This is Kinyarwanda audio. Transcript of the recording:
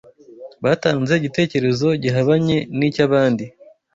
batanze igitekerezo gihabanye n’icy’abandi